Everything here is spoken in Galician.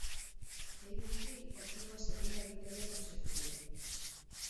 Damon Hill obtivo a segunda vitoria consecutiva.